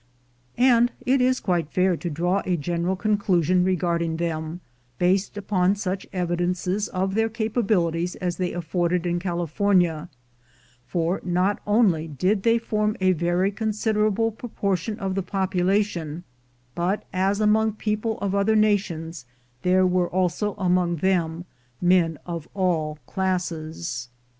And it is quite fair to draw a general conclusion regarding them, based upon such evidences of their capabilities as they afforded in California ; for not only did they form a very considerable proportion of the population, but, as among people of other nations, there were also among them men of all classes.